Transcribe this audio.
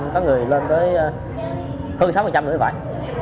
có người lên tới hơn sáu nữa thì phải